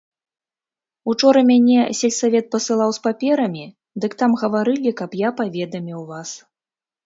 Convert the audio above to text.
Учора мяне сельсавет пасылаў з паперамі, дык там гаварылі, каб я паведаміў вас.